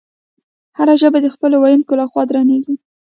هره ژبه د خپلو ویونکو له خوا درنیږي.